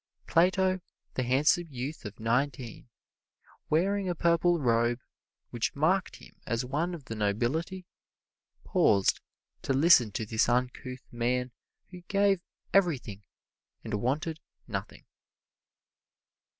Plato, the handsome youth of nineteen, wearing a purple robe, which marked him as one of the nobility, paused to listen to this uncouth man who gave everything and wanted nothing.